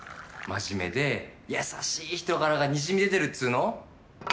真面目で優しい人柄がにじみ出てるっつうの？